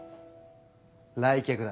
来客だ。